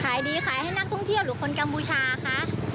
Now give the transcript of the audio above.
ขายดีขายให้นักท่องเที่ยวหรือคนกัมพูชาคะ